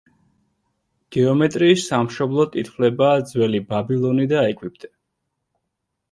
გეომეტრიის სამშობლოდ ითვლება ძველი ბაბილონი და ეგვიპტე.